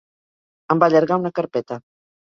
Em va allargar una carpeta.